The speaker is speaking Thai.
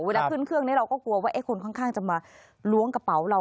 ขึ้นเครื่องนี้เราก็กลัวว่าคนข้างจะมาล้วงกระเป๋าเรา